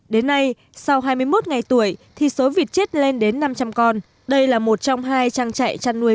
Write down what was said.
đến nay sau hai mươi một ngày tuổi thì số vịt chết lên đến năm trăm linh con đây là một trong hai trang trại chăn nuôi